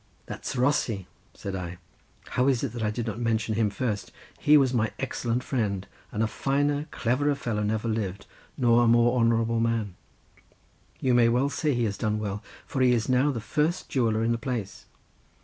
"That's Rossi," said I, "how is it that I did not mention him first? He is my excellent friend, and a finer cleverer fellow never lived, nor a more honourable man. You may well say he has done well, for he is now the first jeweller in the place.